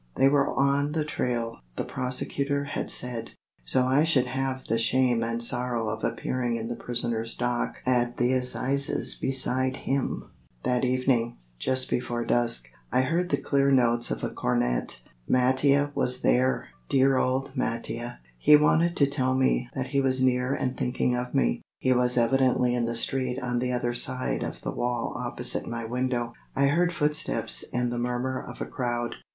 They were on the trail, the prosecutor had said, so I should have the shame and sorrow of appearing in the prisoner's dock at the Assizes beside him. That evening, just before dusk, I heard the clear notes of a cornet. Mattia was there! Dear old Mattia! he wanted to tell me that he was near and thinking of me. He was evidently in the street on the other side of the wall opposite my window. I heard footsteps and the murmur of a crowd.